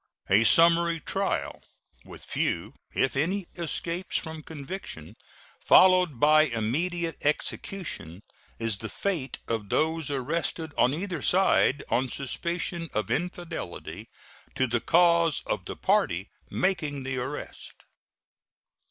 A summary trial, with few, if any, escapes from conviction, followed by immediate execution, is the fate of those arrested on either side on suspicion of infidelity to the cause of the party making the arrest.